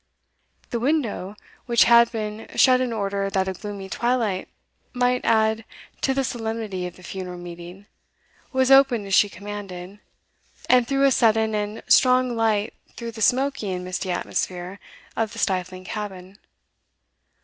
The window, which had been shut in order that a gloomy twilight might add to the solemnity of the funeral meeting, was opened as she commanded, and threw a sudden and strong light through the smoky and misty atmosphere of the stifling cabin.